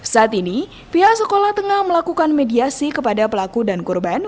saat ini pihak sekolah tengah melakukan mediasi kepada pelaku dan korban